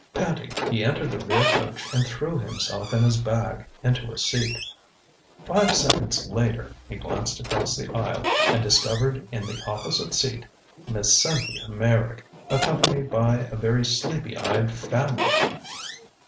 Panting, he entered the rear coach and threw himself and his bag into a seat. Five seconds later he glanced across the aisle and discovered in the opposite seat Miss Cynthia Meyrick, accompanied by a very sleepy eyed family!